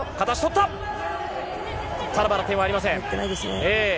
ただ得点はありません。